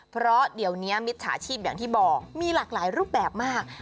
เพราะเดี๋ยวนี้มิจฉาชีพอย่างที่บอกมีหลากหลายรูปแบบมาก